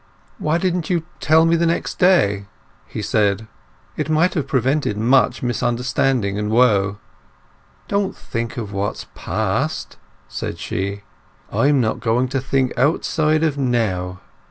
"Why didn't you tell me next day?" he said. "It might have prevented much misunderstanding and woe." "Don't think of what's past!" said she. "I am not going to think outside of now.